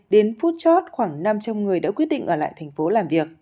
đến phút chót khoảng năm trăm linh người đã quyết định ở lại thành phố làm việc